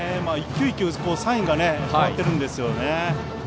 １球１球、サインが変わっているんですよね。